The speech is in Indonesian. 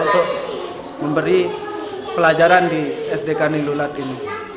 untuk memberi pelajaran di sdk nilulat ini